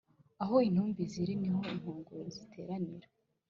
Aho intumbi ziri ni ho inkongoro ziteranira.